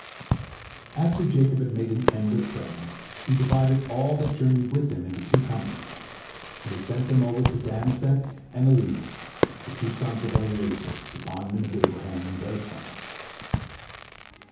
After Jacob had made an end of praying, he divided all that journeyed with him into two companies, and he set over them Damesek and Alinus, the two sons of Eliezer, the bondman of Abraham, and their sons.